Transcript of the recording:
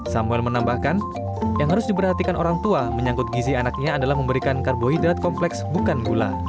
samuel menambahkan yang harus diperhatikan orang tua menyangkut gizi anaknya adalah memberikan karbohidrat kompleks bukan gula